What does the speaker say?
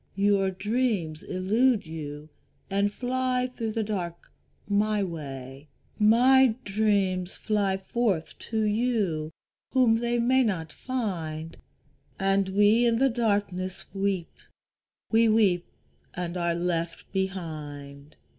Your dreams elude you and fly through the dark my way, My dreams fly forth to you whom they may not find; And we in the darkness weep, we weep and are left behind.